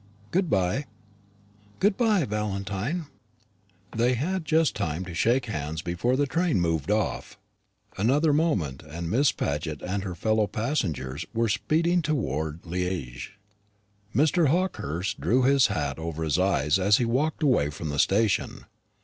Good bye." "Good bye, Valentine." They had just time to shake hands before the train moved off. Another moment and Miss Paget and her fellow passengers were speeding towards Liége. Mr. Hawkehurst drew his hat over his eyes as he walked away from the station.